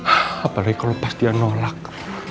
apalagi kalau pas dia nolak